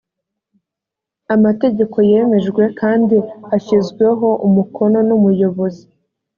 amategeko yemejwe kandi ashyizweho umukono n’umuyobozi